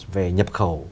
về nhập khẩu